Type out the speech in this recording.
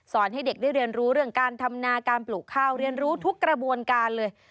ให้เด็กได้เรียนรู้เรื่องการทำนาการปลูกข้าวเรียนรู้ทุกกระบวนการเลย